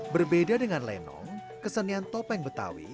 berbeda dengan lenong kesenian topeng betawi